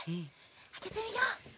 あけてみよう。